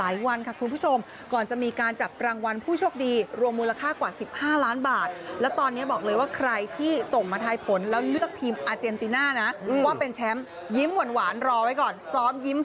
ยิ้มซ้อมรวยไว้ก่อนเลย